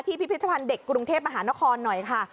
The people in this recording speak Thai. พิพิธภัณฑ์เด็กกรุงเทพมหานครหน่อยค่ะ